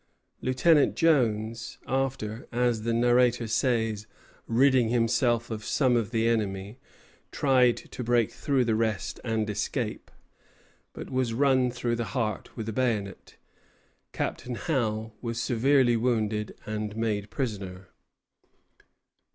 Lieutenant Jones, after, as the narrator says, "ridding himself of some of the enemy," tried to break through the rest and escape, but was run through the heart with a bayonet. Captain Howe was severely wounded and made prisoner.